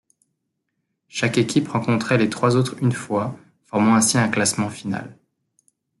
Chaque équipe rencontrait les trois autres une fois, formant ainsi un classement final.